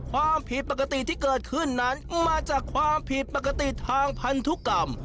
ความผิดปกติที่เกิดขึ้นนั้นมาจากความผิดปกติทางพันธุกรรม